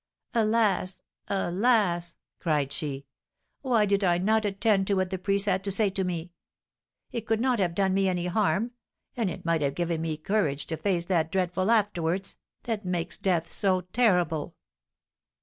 "Alas, alas!" cried she. "Why did I not attend to what the priest had to say to me? It could not have done me any harm, and it might have given me courage to face that dreadful afterwards, that makes death so terrible."